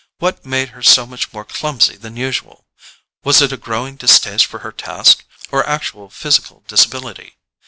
What made her so much more clumsy than usual? Was it a growing distaste for her task, or actual physical disability?